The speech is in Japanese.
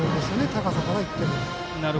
高さからいっても。